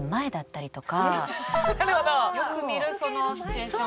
よく見るそのシチュエーション。